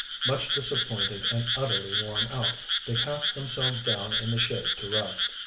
Much disappointed and utterly worn out, they cast themselves down in the shade to rest.